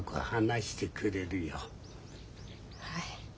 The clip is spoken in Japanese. はい。